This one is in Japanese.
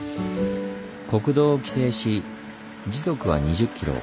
国道を規制し時速は２０ｋｍ。